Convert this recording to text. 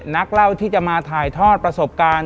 นักเล่าที่จะมาถ่ายทอดประสบการณ์